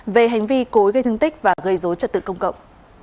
về hành vi cối gây thương tích và gây dối trật tự công cộng